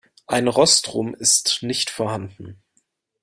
Ein Rostrum ist nicht vorhanden.